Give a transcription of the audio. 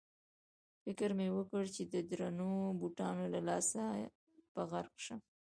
فکر مې وکړ چې د درنو بوټانو له لاسه به غرق شم.